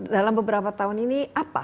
dalam beberapa tahun ini